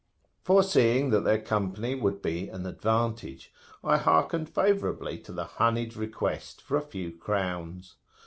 Foreseeing that their company would be an advantage, I hearkened favourably to the honeyed request for a few crowns.